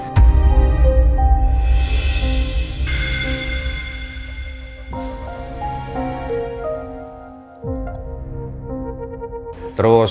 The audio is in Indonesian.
hanya bilang ke vazifis